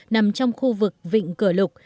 nằm trong khu vực vịnh cửa lục